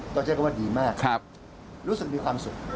ก็ใช้คำว่าดีมากรู้สึกมีความสุข